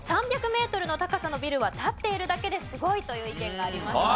３００メートルの高さのビルは立っているだけですごいという意見がありました。